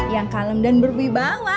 yang kalem dan berwibawa